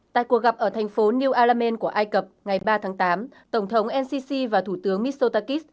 tại cuộc gặp ở thành phố new alamen của ai cập ngày ba tháng tám tổng thống ncc và thủ tướng mitsotakis